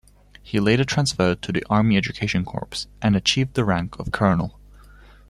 He later transferred to the Army Education Corps and achieved the rank of colonel.